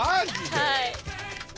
はい。